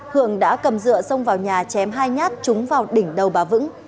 hưởng đã cầm dựa xông vào nhà chém hai nhát trúng vào đỉnh đầu bà vững